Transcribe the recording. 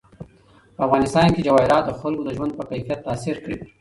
په افغانستان کې جواهرات د خلکو د ژوند په کیفیت تاثیر کوي.